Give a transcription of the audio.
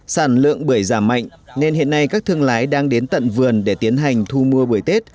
sản lượng bưởi giảm mạnh nên hiện nay các thương lái đang đến tận vườn để tiến hành thu mua bưởi tết